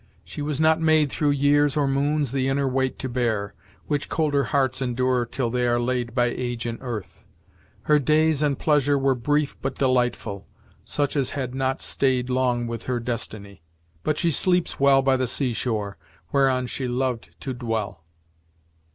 She was not made Through years or moons the inner weight to bear, Which colder hearts endure till they are laid By age in earth; her days and pleasure were Brief but delightful such as had not stayed Long with her destiny; but she sleeps well By the sea shore whereon she loved to dwell."